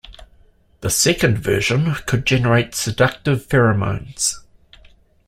The second version could generate seductive pheromones.